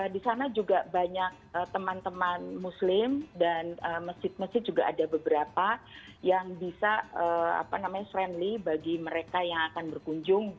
di sana juga banyak teman teman muslim dan masjid masjid juga ada beberapa yang bisa friendly bagi mereka yang akan berkunjung